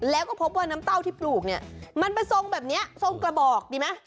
แล้วก็พบว่าน้ำเต้าที่ปลูกเนี่ยมันมาทรงแบบนี้ทรงกระบอกดีไหม